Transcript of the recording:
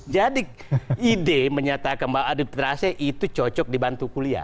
jadi ide menyatakan bahwa arbitrase itu cocok di bantu kuliah